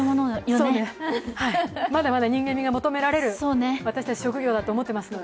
まだまだ人間味が求められる職業だと思っていますので。